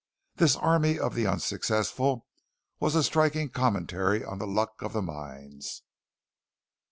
This army of the unsuccessful was a striking commentary on the luck of the mines.